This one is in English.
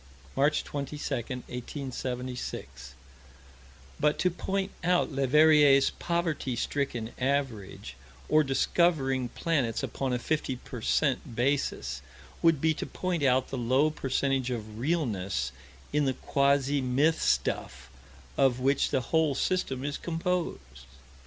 March 22, 1876 But to point out Leverrier's poverty stricken average or discovering planets upon a fifty per cent. basis would be to point out the low percentage of realness in the quasi myth stuff of which the whole system is composed.